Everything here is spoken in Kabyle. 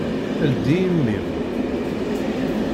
Ldi imi-m.